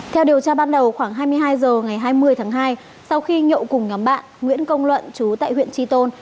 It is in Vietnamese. theo điều tra ban đầu khoảng hai mươi hai h ngày hai mươi tháng hai sau khi nhậu cùng nhóm bạn nguyễn công luận chú tại huyện tri tôn